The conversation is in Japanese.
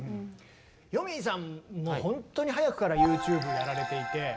よみぃさんもほんとに早くからＹｏｕＴｕｂｅやられていて。